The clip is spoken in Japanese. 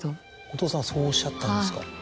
お父さんはそうおっしゃったんですか？